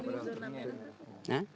sudah tahu ini zona mana